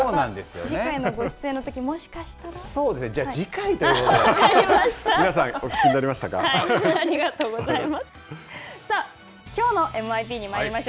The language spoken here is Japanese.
次回のご出演のときに、もしかそうですね、じゃあ、次回とい分かりました。